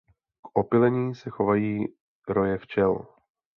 K opylení se chovají roje včel.